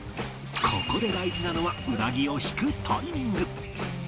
ここで大事なのはウナギを引くタイミング